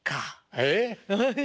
えっ？